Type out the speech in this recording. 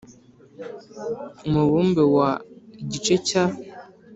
Umubumbe wa igice cya